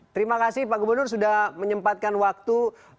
terima kasih pak gubernur sudah menyempatkan waktu